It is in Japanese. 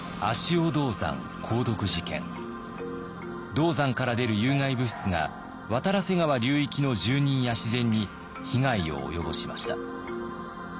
銅山から出る有害物質が渡良瀬川流域の住人や自然に被害を及ぼしました。